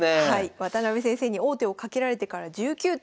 渡辺先生に王手をかけられてから１９手。